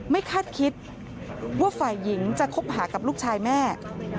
คาดคิดว่าฝ่ายหญิงจะคบหากับลูกชายแม่